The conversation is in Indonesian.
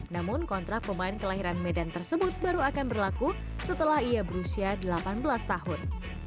namun kontrak pemain kelahiran medan tersebut baru akan berlaku setelah ia berusia delapan belas tahun